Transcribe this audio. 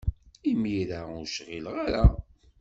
Imir-a, ur cɣileɣ ara.